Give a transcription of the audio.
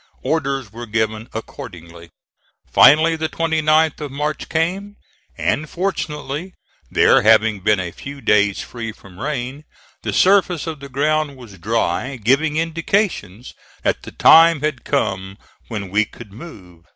Orders were given accordingly. Finally the 29th of March came, and fortunately there having been a few days free from rain, the surface of the ground was dry, giving indications that the time had come when we could move.